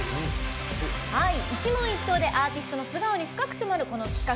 一問一答でアーティストの素顔に深く迫る、この企画。